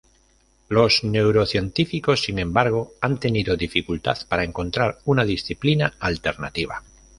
Los neurocientíficos, sin embargo, han tenido dificultad para encontrar una disciplina alternativa.